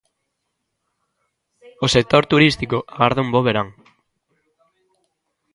O sector turístico agarda un bo verán.